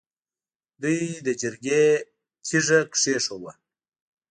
دوی د جرګې تیګه کېښووه.